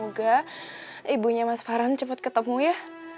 semoga ibunya mas farhan cepat ketemu ya